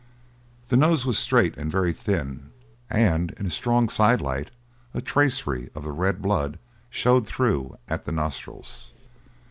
The nose was straight and very thin and in a strong sidelight a tracery of the red blood showed through at the nostrils.